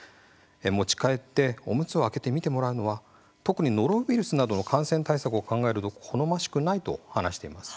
持ち帰っておむつを開けて見てもらうのは特にノロウイルスなどの感染対策を考えると好ましくないと話しています。